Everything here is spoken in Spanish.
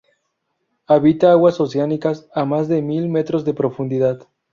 Habitan aguas oceánicas a más de mil metros de profundidad.